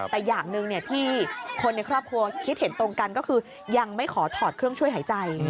แต่อย่างหนึ่งที่คนในครอบครัวคิดเห็นตรงกันก็คือยังไม่ขอถอดเครื่องช่วยหายใจ